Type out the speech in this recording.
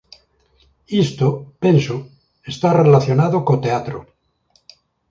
Isto, penso, está relacionado co teatro.